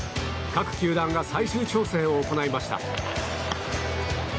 各球団が最終調整を行いました。